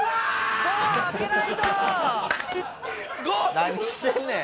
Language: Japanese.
何してんねん。